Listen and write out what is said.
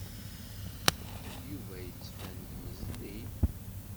Yuba yettban-d meẓẓiy.